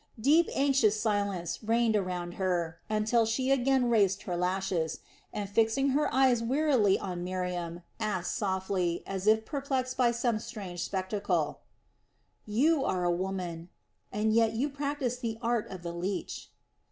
Deep, anxious silence reigned around her until she again raised her lashes and, fixing her eyes wearily on Miriam, asked softly, as if perplexed by some strange spectacle: "You are a woman, and yet practise the art of the leech."